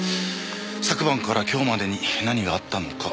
昨晩から今日までに何があったのか。